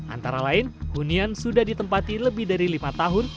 antara lain hunian sudah ditempati lebih dari lima tahun